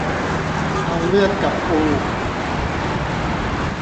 เอาเลือดกับปู